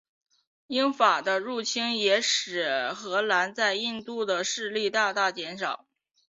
英法的入侵也使荷兰在印度的势力大大减少。